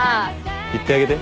行ってあげて。